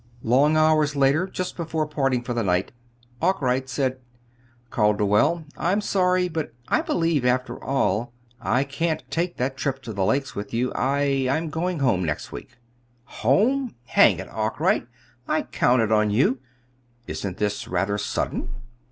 Long hours later, just before parting for the night, Arkwright said: "Calderwell, I'm sorry, but I believe, after all, I can't take that trip to the lakes with you. I I'm going home next week." "Home! Hang it, Arkwright! I'd counted on you. Isn't this rather sudden?"